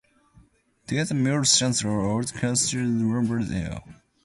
These musicians are all considered members of the Horns of Dilemma.